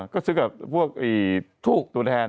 ก็ซื้อกับพวกทูบตัวแทน